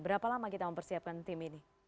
berapa lama kita mempersiapkan tim ini